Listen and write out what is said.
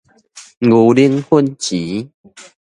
牛奶粉錢